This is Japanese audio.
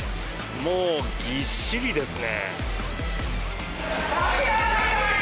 もうぎっしりですね。